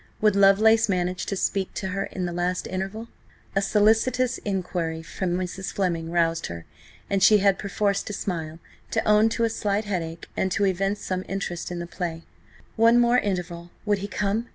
Would Lovelace manage to speak to her in the last interval? A solicitous enquiry from Mrs. Fleming roused her, and she had perforce to smile–to own to a slight headache, and to evince some interest in the play. One more interval: would he come?